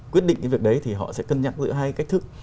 quyết định cái việc đấy thì họ sẽ cân nhắc giữa hai cách thức